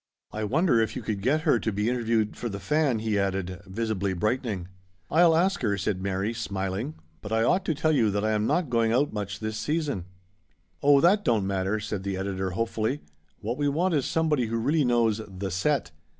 I wonder if you could get her to be interviewed for The Fan?" he added, visibly brightening. " I'll ask her," said Mary, smiling. " But I ought to tell you that I am not going out much this season. " Oh ! that don't matter," said the editor hopefully. "What we want is somebody who really knows the set.